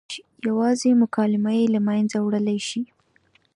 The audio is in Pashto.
یوازې مکالمه یې له منځه وړلی شي.